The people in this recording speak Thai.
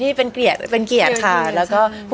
ต่างคนสองคนต่างน้ำตาครอค่ะ